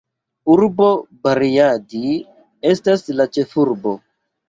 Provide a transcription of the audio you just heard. Urbo Bariadi estas la ĉefurbo.